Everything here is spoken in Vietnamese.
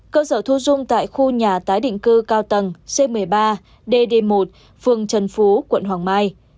cơ sở thu dung tại khu nhà tái định cư cao tầng c một mươi ba d một phường trần phú quận hoàng mai